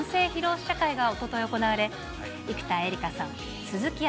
試写会がおととい行われ、生田絵梨花さん、鈴木あ